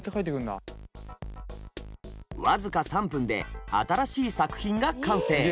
僅か３分で新しい作品が完成。